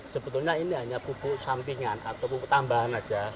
sebetulnya ini hanya pupuk sampingan atau pupuk tambahan saja